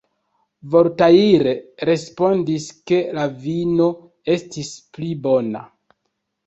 Voltaire respondis, ke la vino estis pli bona.